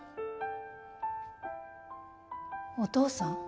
お父さん？